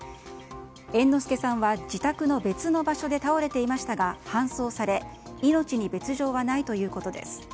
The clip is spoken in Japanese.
猿之助さんは自宅の別の場所で倒れていましたが搬送され、命に別条はないということです。